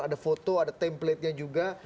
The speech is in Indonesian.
ada foto ada template nya juga